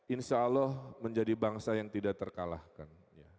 insyaallah menjadi bangsa yang tidak terkalahkan